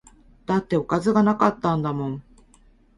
だっておかずが無かったんだもん